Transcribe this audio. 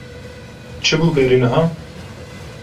Çi bû berî niha?